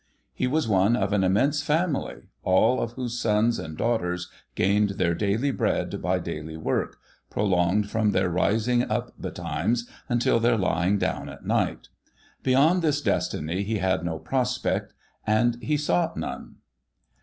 He was one of an immense family, all of whose sons and daughters gained their daily bread by daily work, prolonged from their rising up betimes until their lying down at night. Beyond this destiny he had no prospect, and he sought none.